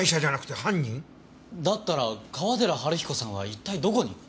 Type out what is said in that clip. だったら川寺治彦さんは一体どこに？